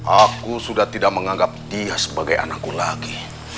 aku sudah tidak menganggap dia sebagai anakku lagi